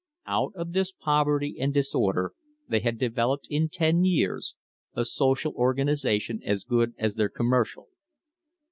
Out of this poverty and disorder they had developed in ten years a social organisation as good as their commercial.